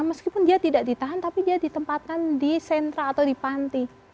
meskipun dia tidak ditahan tapi dia ditempatkan di sentra atau di panti